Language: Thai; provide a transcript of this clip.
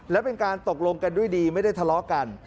และเป็นการตกลงกันด้วยดีไม่ได้ทะเลาะกัน